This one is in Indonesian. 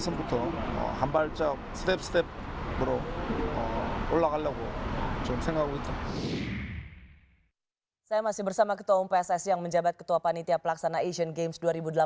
saya masih bersama ketua umum pssi yang menjabat ketua panitia pelaksana asian games dua ribu delapan belas